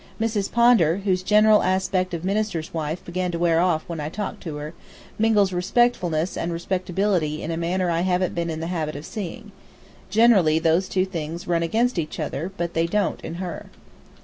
Miss Pondar, whose general aspect of minister's wife began to wear off when I talked to her, mingles respectfulness and respectability in a manner I haven't been in the habit of seeing. Generally those two things run against each other, but they don't in her.